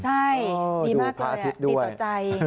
ใช่ดีมากเลยดีต่อใจ